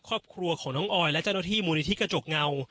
ครอบครัวของน้องออยและเจ้าหน้าที่มูลนิธิกระจกเงา